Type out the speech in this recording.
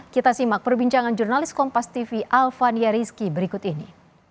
kita simak perbincangan jurnalis kompas tv alfania rizky berikut ini